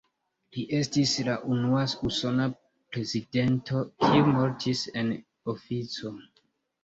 Li estis la unua usona prezidento, kiu mortis en ofico.